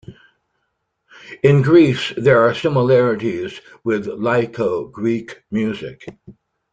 In Greece, there are similarities with Laiko Greek music.